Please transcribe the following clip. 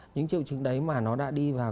những triệu chứng đấy mà nó đã đi vào